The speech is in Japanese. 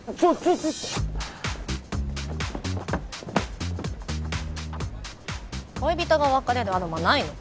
ちょちょ恋人が別れるアロマないの？